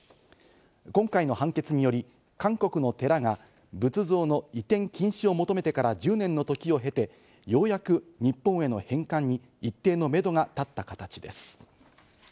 今回の判決により、韓国の寺が仏像の移転禁止を求めてから１０年の時を経て、ようやく日本への返還に一定のメドが立った形です。